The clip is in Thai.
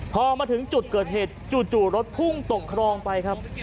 พอมาถึงจุดเกิดเหตุจู่รถพุ่งตกครองไปครับ